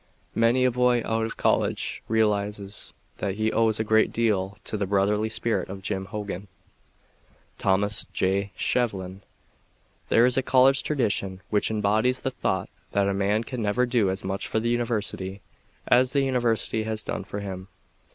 Many a boy now out of college realizes that he owes a great deal to the brotherly spirit of Jim Hogan. [Illustration: McCLUNG, REFEREE SHEVLIN HOGAN] Thomas J. Shevlin There is a college tradition which embodies the thought that a man can never do as much for the university as the university has done for him.